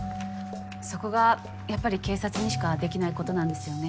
そこがやっぱり警察にしかできないことなんですよね。